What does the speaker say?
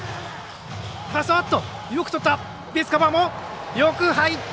ベースカバーよく入った。